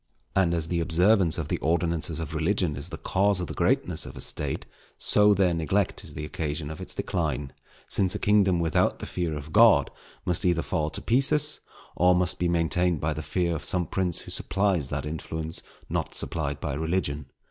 And as the observance of the ordinances of religion is the cause of the greatness of a State, so their neglect is the occasion of its decline; since a kingdom without the fear of God must either fall to pieces, or must be maintained by the fear of some prince who supplies that influence not supplied by religion.